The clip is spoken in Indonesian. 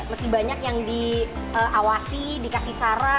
masih banyak yang diawasi dikasih saran